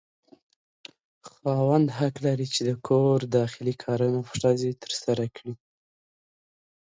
خاوند حق لري چې د کور داخلي کارونه پر ښځه ترسره کړي.